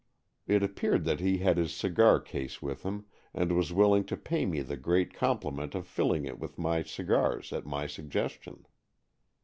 It appeared that he had his cigar case with him, and was willing to pay me the great com pliment of filling it with my cigars at my suggestion.